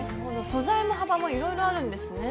素材も幅もいろいろあるんですね。